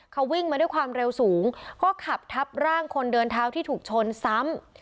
เขาวิ่งมาด้วยความเร็วสูงก็ขับทับร่างคนเดินเท้าที่ถูกชนซ้ำ